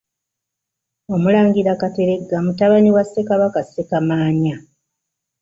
OMULANGIRA Kateregga mutabani wa Ssekabaka Ssekamaanya.